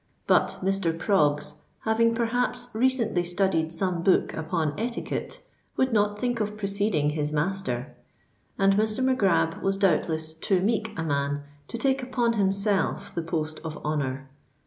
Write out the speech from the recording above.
But Mr. Proggs, having perhaps recently studied some book upon etiquette, would not think of preceding his master; and Mr. Mac Grab was doubtless too meek a man to take upon himself the post of honour.